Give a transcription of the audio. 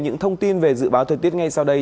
những thông tin về dự báo thời tiết ngay sau đây